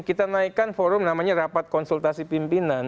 kita naikkan forum namanya rapat konsultasi pimpinan